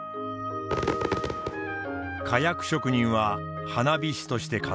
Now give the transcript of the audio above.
火薬職人は花火師として活躍。